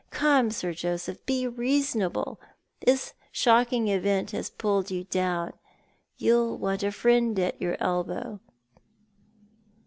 Come, Sir Joseph, be reasonable. This shocking event has pulled you down. You'll want a friend at your elbow."